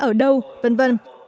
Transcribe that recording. ở đâu v v